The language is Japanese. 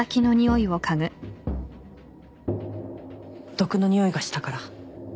毒のにおいがしたから。